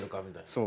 そう。